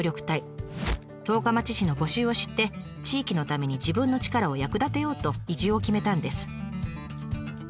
十日町市の募集を知って地域のために自分の力を役立てようと移住を決めたんです。